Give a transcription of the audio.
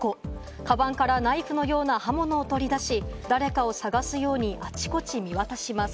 カバンからナイフのような刃物を取り出し、誰かを探すように、あちこち見渡します。